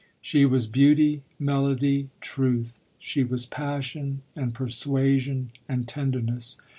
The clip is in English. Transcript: She was beauty, melody, truth; she was passion and persuasion and tenderness.